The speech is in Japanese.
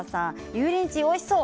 油淋鶏おいしそう。